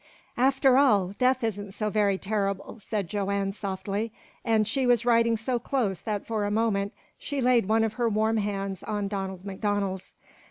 "After all, death isn't so very terrible," said Joanne softly, and she was riding so close that for a moment she laid one of her warm hands on Donald MacDonald's.